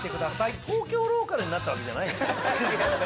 これ東京ローカルになったわけじゃないよね？